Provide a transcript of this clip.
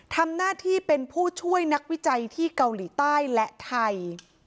ทำหน้าที่เป็นผู้ช่วยนักวิจัยที่เกาหลีใต้และไทย